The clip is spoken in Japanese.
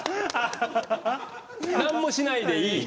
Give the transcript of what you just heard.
「何もしないでいい」。